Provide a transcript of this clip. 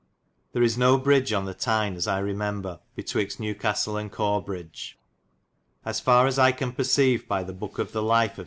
There is no bridge on Tyne, as I remembre, bytwixt Newcastelle and Corbridge. As far as I can perceyve by the boke of the life of S.